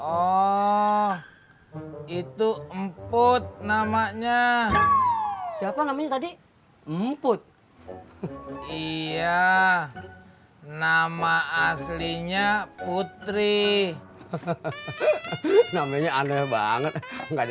oh itu emput namanya siapa namanya tadi emput iya nama aslinya putri hahaha namanya aneh banget